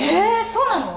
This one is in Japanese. そうなの？